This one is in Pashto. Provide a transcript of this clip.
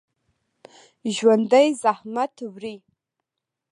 ژوندي زحمت وړي